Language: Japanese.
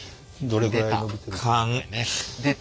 出た。